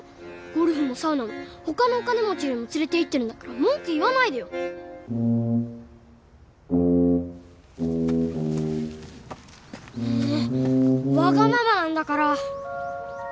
ゴルフもサウナも他のお金持ちよりも連れていってるんだから文句言わないでよ。もわがままなんだから。